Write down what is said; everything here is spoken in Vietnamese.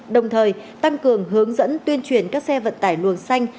đồng thời tăng cường hướng dẫn tuyên truyền các xe vận tải luồng xanh